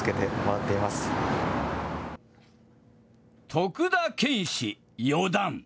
徳田拳士四段。